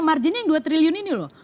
marginnya yang dua triliun ini loh